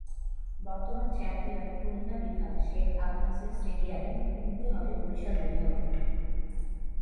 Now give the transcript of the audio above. বর্তমান চ্যাম্পিয়ন খুলনা বিভাগ শেখ আবু নাসের স্টেডিয়ামে মুখোমুখি হবে বরিশাল বিভাগের।